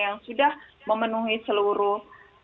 yang sudah memenuhi seluruh